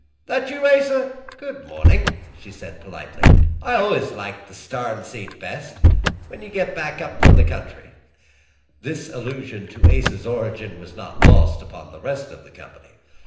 "That you, Asa? Good mornin'," she said politely. "I al'ays liked the starn seat best. When'd you git back from up country?" This allusion to Asa's origin was not lost upon the rest of the company.